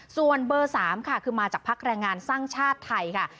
ส่วนเบอร์๓ค่ะคือมาจากพักแรงงานสร้างชาติไทยค่ะ